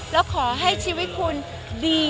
แล้วขอให้ชีวิตคุณดี